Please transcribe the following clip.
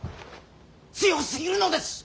強すぎるのです。